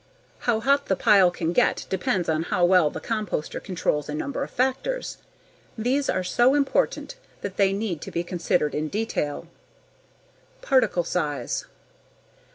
How hot the pile can get depends on how well the composter controls a number of factors. These are so important that they need to be considered in detail. _Particle size.